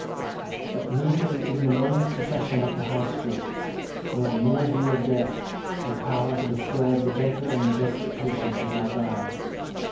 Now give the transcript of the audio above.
But neither the ignominious procession up the High Street, nor the near view of death, had power to disturb the gentle and majestic patience of Argyle.